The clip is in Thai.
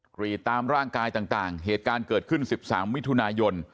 กรีดตามร่างกายต่างเหตุการณ์เกิดขึ้น๑๓มิถุนายน